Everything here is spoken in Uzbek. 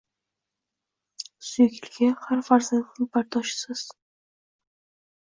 Suyukligi har farzandning bardoshisiz!